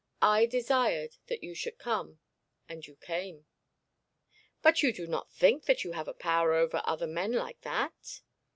I desired that you should come, and you came.' 'But you do not think that you have a power over other men like that?'